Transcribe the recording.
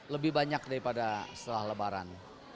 lebih banyak daripada setelah lebaran